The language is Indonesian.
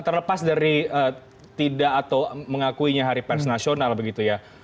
terlepas dari tidak atau mengakuinya hari pers nasional begitu ya